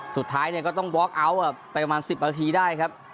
สุดท้ายเนี่ยก็ต้องบล็อกเอาท์ไปประมาณ๑๐นาทีได้ครับ